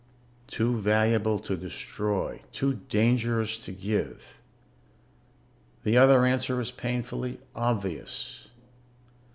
Too valuable to destroy, too dangerous to give. The other answer is painfully obvious.